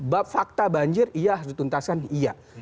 bab fakta banjir iya harus dituntaskan iya